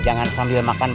jangan sambil makan